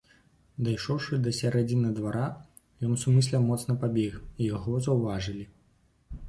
Дайшоўшы да сярэдзіны двара, ён сумысля моцна пабег, і яго заўважылі.